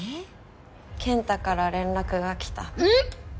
健太から連絡が来たえっ